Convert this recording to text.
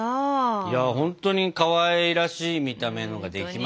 いやほんとにかわいらしい見た目のができましたね。